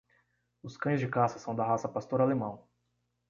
Os cães de caça são da raça Pastor Alemão